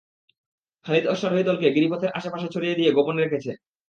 খালিদ অশ্বারোহী দলকে গিরিপথের আশে-পাশে ছড়িয়ে দিয়ে গোপন রেখেছে।